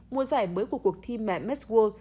mùa giải mới của cuộc thi mẹ miss world